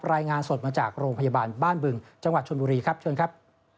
รายงานสดมาจากโรงพยาบาลบ้านบึงจังหวัดชนบุรีครับเชิญครับ